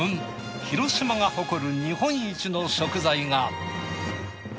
広島が誇る日本一の食材が。